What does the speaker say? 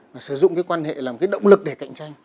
mà sử dụng cái quan hệ làm cái động lực để cạnh tranh